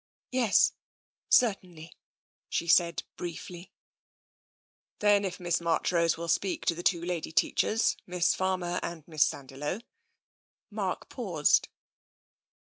" Yes, certainly," she said briefly. " Then if Miss Marchrose will speak to the two lady teachers, Miss Farmer and Miss Sandiloe " ft TENSION 99 Mark paused.